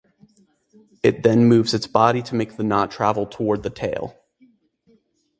It then moves its body to make the knot travel toward the tail.